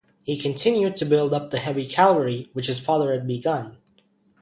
He continued to build up the heavy cavalry which his father had begun.